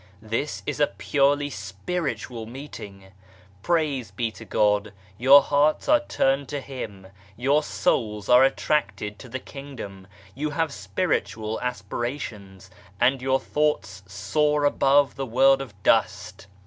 This is a purely Spiritual Meeting ! Praise be to God, your hearts are turned to Him, your souls are attracted to the Kingdom, you have spiritual aspirations, and your thoughts soar above the world of dust.